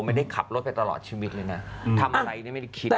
ไม่ได้ขับรถไปตลอดชีวิตเลยนะทำอะไรนี่ไม่ได้คิด